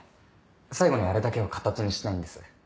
最後にあれだけは形にしたいんです。